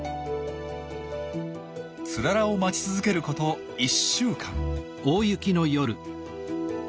ツララを待ち続けること１週間。